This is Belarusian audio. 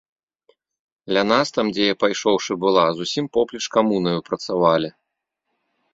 Ля нас там, дзе я пайшоўшы была, зусім поплеч камунаю працавалі.